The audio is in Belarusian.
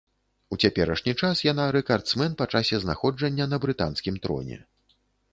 У цяперашні час яна рэкардсмен па часе знаходжання на брытанскім троне.